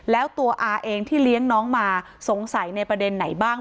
แล้วตัวอาเองที่เลี้ยงน้องมาสงสัยในประเด็นไหนบ้าง